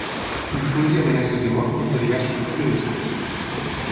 Insults i amenaces de mort contra diversos periodistes.